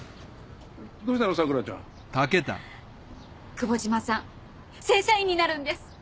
久保島さん正社員になるんです。